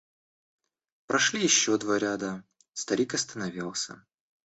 Прошли еще два ряда, старик остановился.